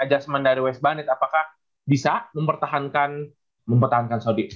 adjustment dari wes banit apakah bisa mempertahankan saudi